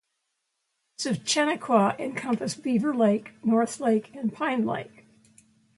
Parts of Chenequa encompass Beaver Lake, North Lake, and Pine Lake.